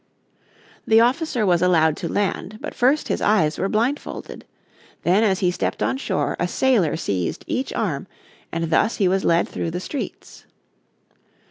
The officer was allowed to land, but first his eyes were blindfolded. Then as he stepped on shore a sailor seized each arm, and thus he was led through the streets.